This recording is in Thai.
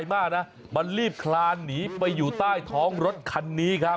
มากนะมันรีบคลานหนีไปอยู่ใต้ท้องรถคันนี้ครับ